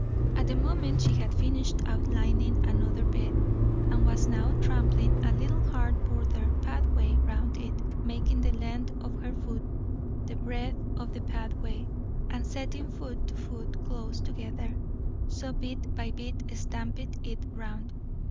At the moment she had finished outlining an other bed, and was now trampling a little hard border pathway round it, making the length of her foot the breadth of the pathway, and setting foot to foot close together, so bit by bit stamping it round.